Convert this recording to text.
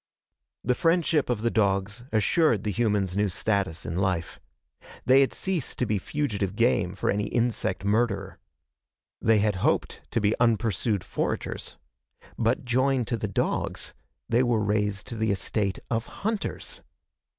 The friendship of the dogs assured the humans' new status in life. They had ceased to be fugitive game for any insect murderer. They had hoped to be unpursued foragers. But, joined to the dogs, they were raised to the estate of hunters.